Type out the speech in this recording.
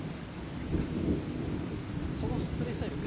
そのプレースタイルって、